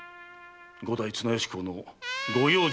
五代・綱吉公のご養女